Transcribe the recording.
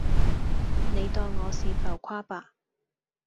你當我是浮誇吧